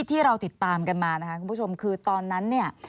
ที่เราติดตามกันมานะคะคุณผู้ชมคือตอนนั้นเนี่ย